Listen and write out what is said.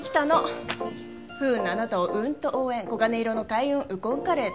「不運なあなたをうんと応援」「黄金色の開運ウコンカレー」ってどう？